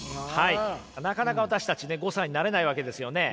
なかなか私たちね５歳になれないわけですよね。